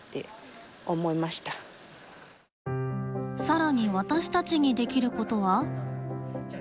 更に私たちにできることは？